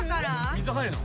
水入るの？